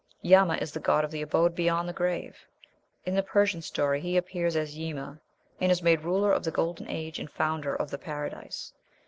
Yama is the god of the abode beyond the grave. In the Persian story he appears as Yima, and "is made ruler of the golden age and founder of the Paradise."